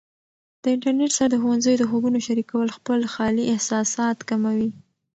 د انټرنیټ سره د ښوونځي د خوبونو شریکول خپل خالي احساسات کموي.